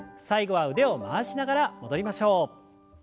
最後は腕を回しながら戻りましょう。